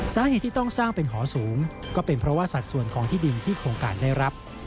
สาเหตุที่ต้องสร้างเป็นหอสูงก็เป็นเพราะว่าสัดส่วนของที่ดินที่โครงการได้รับ